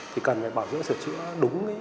thì cần phải bảo dưỡng sửa chữa đúng